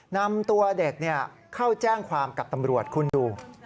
นำตัวเด็กเข้าแจ้งความกับตำรวจคุณดู